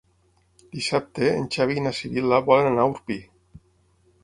Dissabte en Xavi i na Sibil·la volen anar a Orpí.